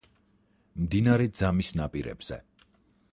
მდინარე ძამის ნაპირებზე.